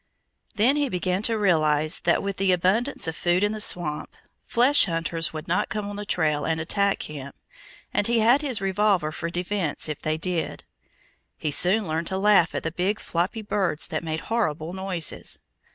Then he began to realize that with the abundance of food in the swamp, flesh hunters would not come on the trail and attack him, and he had his revolver for defence if they did. He soon learned to laugh at the big, floppy birds that made horrible noises.